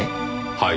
はい？